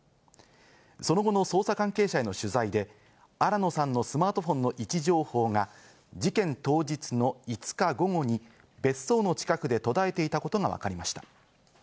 その後の捜査関係者への取材で、新野さんのスマートフォンの位置情報が事件当日の５日午後に別荘の近くで途絶えていたことがわかりました。